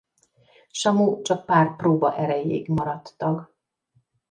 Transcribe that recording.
Samu csak pár próba erejéig maradt tag.